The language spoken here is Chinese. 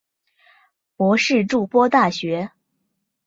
博士筑波大学。